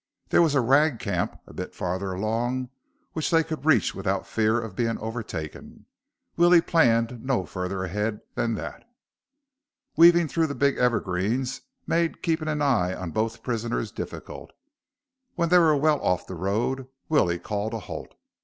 There was a ragcamp a bit farther along which they could reach without fear of being overtaken. Willie planned no further ahead than that. Weaving through the big evergreens made keeping an eye on both prisoners difficult. When they were well off the road, Willie called a halt.